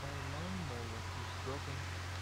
My lawn-mower is broken.